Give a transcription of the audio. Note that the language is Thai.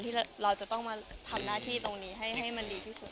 ที่เราจะต้องมาทำหน้าที่ตรงนี้ให้มันดีที่สุด